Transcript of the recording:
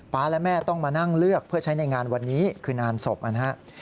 และแม่ต้องมานั่งเลือกเพื่อใช้ในงานวันนี้คืองานศพนะครับ